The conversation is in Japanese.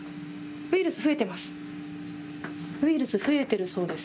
ウイルス増えてます。